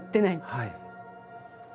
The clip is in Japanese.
はい。